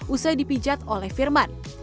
usai dipijat oleh firman